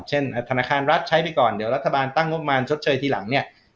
เช่นธนาคารรัฐใช้ไปก่อนเดี๋ยวรัฐบาลตั้งงบประมาณชดเชยที่หลัง